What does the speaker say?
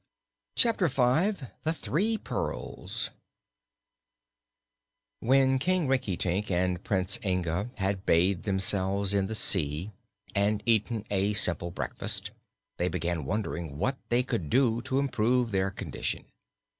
Chapter Five The Three Pearls When King Rinkitink and Prince Inga had bathed themselves in the sea and eaten a simple breakfast, they began wondering what they could do to improve their condition.